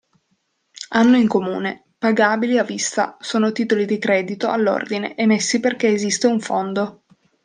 Hanno in comune: pagabili a vista, sono titoli di credito all'ordine, emessi perché esiste un fondo.